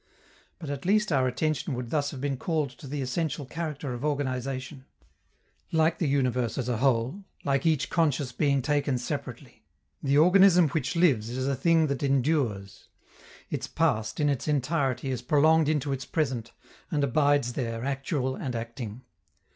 But at least our attention would thus have been called to the essential character of organization. Like the universe as a whole, like each conscious being taken separately, the organism which lives is a thing that endures. Its past, in its entirety, is prolonged into its present, and abides there, actual and acting.